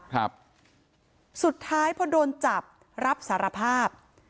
ครับสุดท้ายพอโดนจับรับสารภาพ